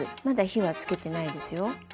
まだ火はつけてないですよ。